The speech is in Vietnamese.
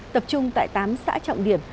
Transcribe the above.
tập trung tại tám xã trọng điểm